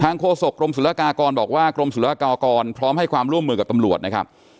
โฆษกรมศุลกากรบอกว่ากรมศุลกากรพร้อมให้ความร่วมมือกับตำรวจนะครับ